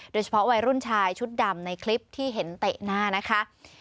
โดยเฉพาะวัยรุ่นชายชุดดำในคลิปที่เห็นเตะหน้านะคะ